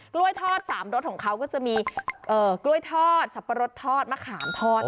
กล้วยทอด๓รสของเขาก็จะมีกล้วยทอดสับปะรดทอดมะขามทอด